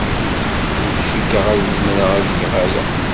Ur cikkeɣ ad zemreɣ ad geɣ aya.